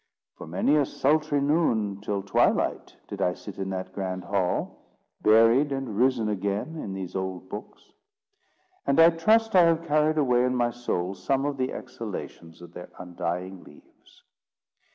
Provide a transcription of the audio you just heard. From many a sultry noon till twilight, did I sit in that grand hall, buried and risen again in these old books. And I trust I have carried away in my soul some of the exhalations of their undying leaves.